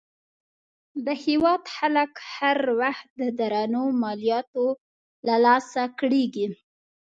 د هېواد خلک هر وخت د درنو مالیاتو له لاسه کړېږي.